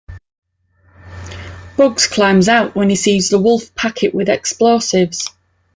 Bugs climbs out when he sees the wolf pack it with explosives.